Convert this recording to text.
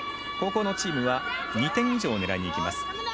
後攻のチームは２点以上を狙いにいきます。